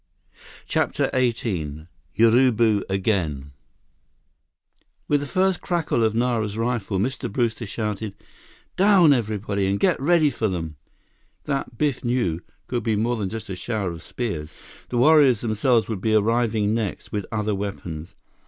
CHAPTER XVIII Urubu Again With the first crackle of Nara's rifle, Mr. Brewster shouted, "Down everybody—and get ready for them!" That, Biff knew, could be more than just a shower of spears. The warriors themselves would be arriving next, with other weapons.